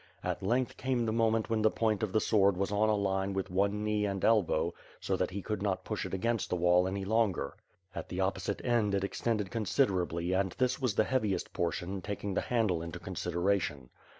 At length, came the moment when the point of the sword was on a line with one knee and elbow so that he could not push it against the wall any longer. At the opposite end it extended considerably and this was the heaviest portion taking the handle into consideration.